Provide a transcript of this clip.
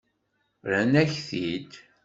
Rran-ak-t-id.